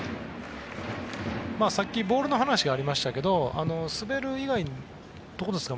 さっきボールの話がありましたが滑る以外、どうですか。